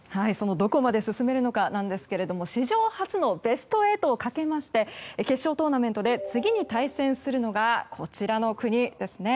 どこまで進めるのかなんですけれども史上初のベスト８をかけまして決勝トーナメントで次に対戦するのがこちらの国ですね。